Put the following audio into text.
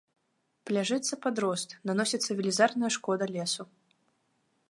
Пляжыцца падрост, наносіцца велізарная шкода лесу.